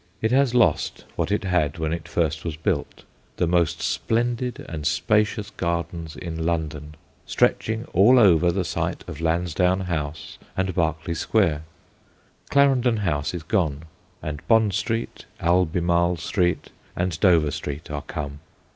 It has lost what it had when it first was built the most splendid and spacious gardens in London, stretching all over the site of Lansdowne House and Berkeley Square. Clarendon House is gone, and Bond Street, Albemarle Street, and Dover Street are come.